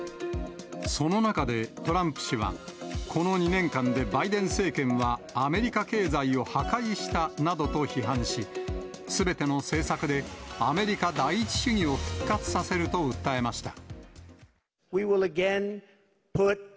その中で、トランプ氏は、この２年間でバイデン政権はアメリカ経済を破壊したなどと批判し、すべての政策で、アメリカ第一主義を復活させると訴えました。